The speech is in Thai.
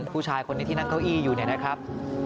ผู้ชายคนนี้ที่นั่งเก้าอี้อยู่เนี่ยนะครับ